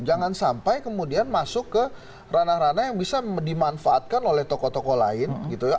jangan sampai kemudian masuk ke ranah ranah yang bisa dimanfaatkan oleh tokoh tokoh lain gitu ya